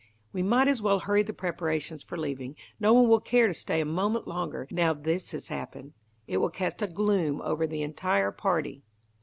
We might as well hurry the preparations for leaving. No one will care to stay a moment longer, now this has happened. It will cast a gloom over the entire party."